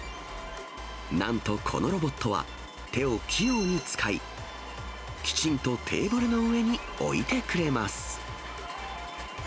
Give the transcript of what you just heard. なんとこのロボットは、手を器用に使い、きちんとテーブルの上に置いてくれます。